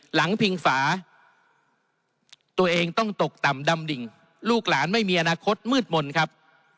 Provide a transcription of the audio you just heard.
พิงฝาตัวเองต้องตกต่ำดำดิ่งลูกหลานไม่มีอนาคตมืดมนต์ครับ